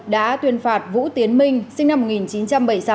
đã tuyên phạt vũ tiến minh sinh năm một nghìn chín trăm bảy mươi sáu